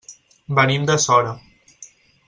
Venim de Sora.